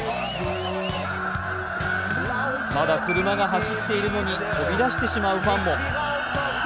まだ車が走っているのに飛び出してしまうファンも。